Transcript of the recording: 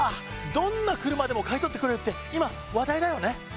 どんな車でも買い取ってくれるって今話題だよね。